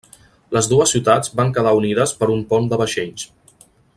Les dues ciutats van quedar unides per un pont de vaixells.